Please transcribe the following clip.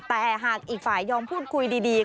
แต่หากอีกฝ่ายยอมพูดคุยดี